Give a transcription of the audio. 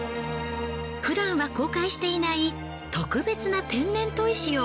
ふだんは公開していない特別な天然砥石を。